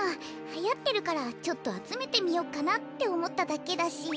はやってるからちょっとあつめてみよっかなっておもっただけだし。